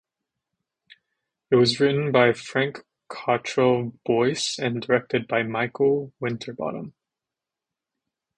It was written by Frank Cottrell Boyce and directed by Michael Winterbottom.